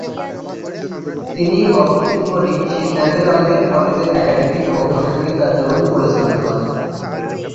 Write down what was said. তিনি গভর্নিং বডির সিদ্ধান্তের আলোকে কলেজের একাডেমিক ও প্রশাসনিক কার্যাবলী পরিচালনা করেন।